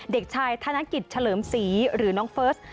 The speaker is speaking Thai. เด็กชายธนกิจเษหหรือน้องเฟิศ